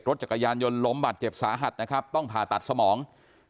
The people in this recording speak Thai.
เจ็บรถจักรยานยนต์ล้มบัตรเจ็บสาหัสต้องผ่าตัดสมอง